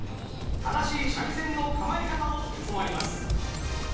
正しい三味線の構え方を教わります。